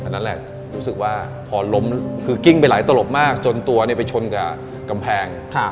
นั่นแหละรู้สึกว่าพอล้มคือกิ้งไปหลายตลบมากจนตัวไปชนกับกำแพง